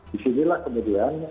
di sinilah kemudian